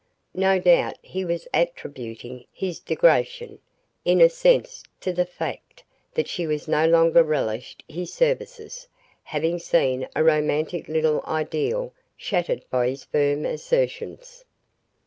No doubt he was attributing his degradation, in a sense, to the fact that she no longer relished his services, having seen a romantic little ideal shattered by his firm assertions.